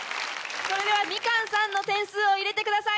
それではみかんさんの点数を入れてください。